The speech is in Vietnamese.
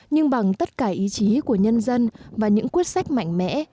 nhưng bằng tất cả ý chí của nhân dân và những quyết sách mạnh mẽ